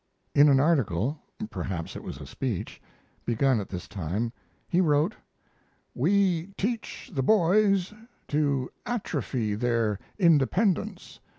In an article, perhaps it was a speech, begun at this time he wrote: We teach the boys to atrophy their independence.